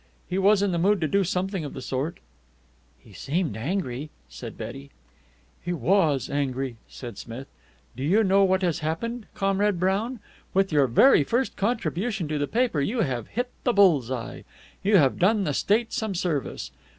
He was in the mood to do something of the sort." "He seemed angry," said Betty. "He was angry," said Smith. "Do you know what has happened, Comrade Brown? With your very first contribution to the paper you have hit the bull's eye. You have done the state some service.